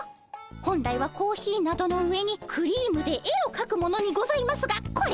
本来はコーヒーなどの上にクリームで絵をかくものにございますがこれは斬新。